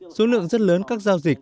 số lượng rất lớn các giao dịch